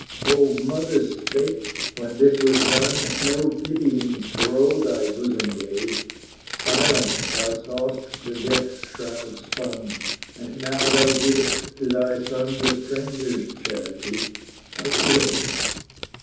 O Mother State! when this was done, No pitying throe thy bosom gave; Silent thou saw'st the death shroud spun, And now thou givest to thy son The stranger's charity a grave.